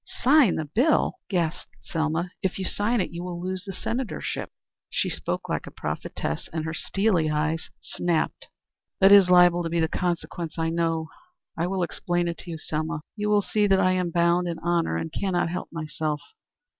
"Sign the bill?" gasped Selma. "If you sign it, you will lose the senatorship." She spoke like a prophetess, and her steely eyes snapped. "That is liable to be the consequence I know. I will explain to you, Selma. You will see that I am bound in honor and cannot help myself."